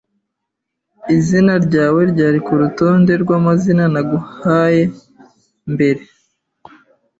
Izina ryawe ryari kurutonde rwamazina naguhaye mbere?